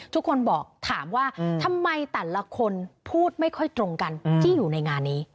ทุกคนบอกถามว่าทำไมแต่ละคนพูดไม่ค่อยตรงกันที่อยู่ในงานนี้